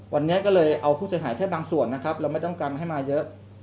วันนี้ก็เลยเอาผู้เสียหายแค่บางส่วนนะครับเราไม่ต้องการให้มาเยอะ